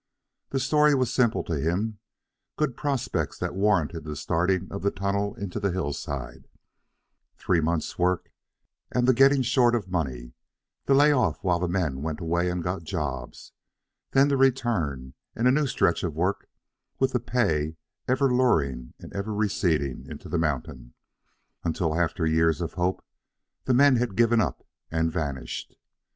The story was simple to him: good prospects that warranted the starting of the tunnel into the sidehill; the three months' work and the getting short of money; the lay off while the men went away and got jobs; then the return and a new stretch of work, with the "pay" ever luring and ever receding into the mountain, until, after years of hope, the men had given up and vanished.